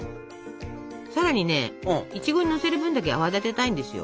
さらにねいちごにのせる分だけ泡立てたいんですよ。